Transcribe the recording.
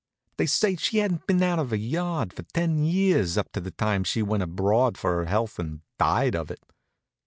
They say she hadn't been out of her yard for ten years up to the time she went abroad for her health and died of it."